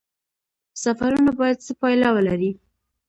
سفرونه باید څه پایله ولري؟